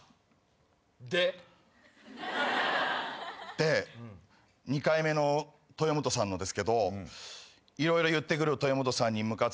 で２回目の豊本さんのですけど色々言ってくる豊本さんにムカついてわざとやりました。